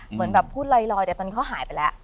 เหมือนแบบพูดลอยแต่ตอนนี้เขาหายไปแล้ว